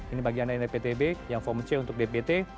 ini bagiannya dptb yang form c untuk dpt